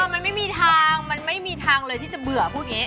มันไม่มีทางมันไม่มีทางเลยที่จะเบื่อพูดอย่างนี้